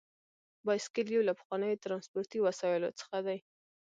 بایسکل یو له پخوانیو ترانسپورتي وسایلو څخه دی.